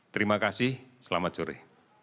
terima kasih selamat sore